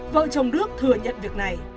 vợ chồng đức thừa nhận việc này